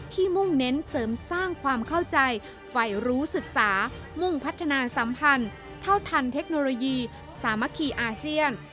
มุ่งเน้นเสริมสร้างความเข้าใจฝ่ายรู้ศึกษามุ่งพัฒนาสัมพันธ์เท่าทันเทคโนโลยีสามัคคีอาเซียน